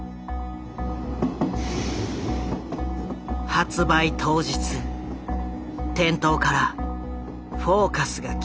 発売当日店頭から「フォーカス」が消えていた。